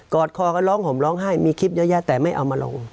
อดคอกันร้องห่มร้องไห้มีคลิปเยอะแยะแต่ไม่เอามาลง